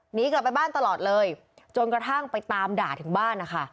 หนีกลับไปบ้านตลอดเลยจนกระทั่งไปตามด่าถึงบ้านนะคะ